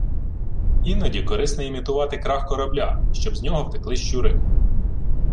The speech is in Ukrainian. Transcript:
Іноді корисно імітувати крах корабля, щоб з нього втекли щури.